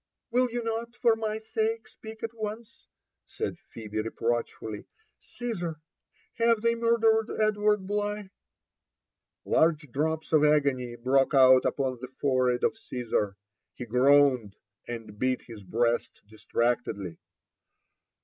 '* Will you not, for my sake, speak at once?" said Phebe, repro^ch fully. »—Caesar ! have they murdered Edward Blighf' Large drops of agony broke out upon the forehead of Caesar, — he groaned, and beat his breast distractedly.